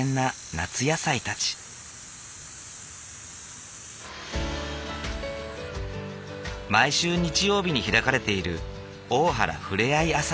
毎週日曜日に開かれている大原ふれあい朝市。